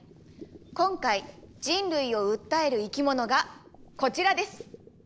今回人類を訴える生き物がこちらです。